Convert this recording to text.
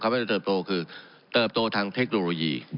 ว่าจะเติบโตคือเติบโตทางเทคโนโลยี